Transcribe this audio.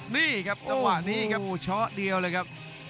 นี่ครับระหว่างนี้ครับโอ้โหช้อเดียวเลยครับ